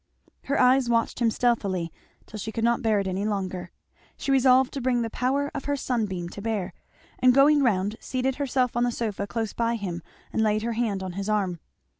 Her eyes watched him stealthily till she could not bear it any longer. She resolved to bring the power of her sunbeam to bear, and going round seated herself on the sofa close by him and laid her hand on his arm.